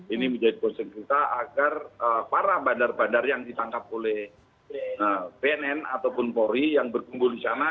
ini menjadi konsen kita agar para bandar bandar yang ditangkap oleh bnn ataupun polri yang berkumpul di sana